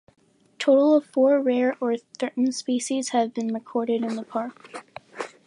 A total of four rare or threatened species have been recorded in the park.